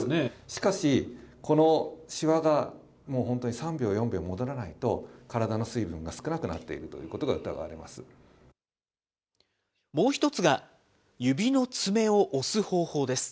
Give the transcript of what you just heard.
しかし、このしわがもう本当に３秒、４秒戻らないと、体の水分が少なくなっているということが疑われます。